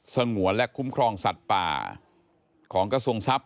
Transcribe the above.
สงวนและคุ้มครองสัตว์ป่าของกระทรวงทรัพย